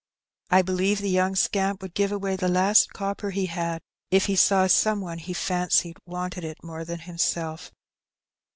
I believe the young scamp would give away the last copper he had, if he saw some one he fancied wanted it more than himself."